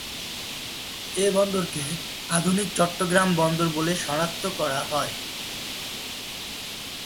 এ বন্দরকে আধুনিক চট্টগ্রাম বন্দর বলে শনাক্ত করা হয়।